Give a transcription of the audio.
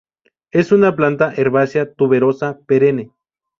Es una planta herbácea tuberosa, perenne.